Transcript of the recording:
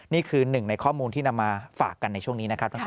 นี่คือหนึ่งในข้อมูลที่นำมาฝากกันในช่วงนี้นะครับ